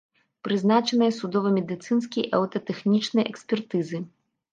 Прызначаныя судова-медыцынскія і аўтатэхнічныя экспертызы.